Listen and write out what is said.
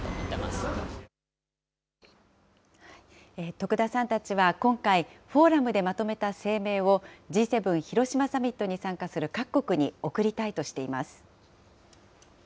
徳田さんたちは、今回、フォーラムでまとめた声明を、Ｇ７広島サミットに参加する各国に送りたいとしています。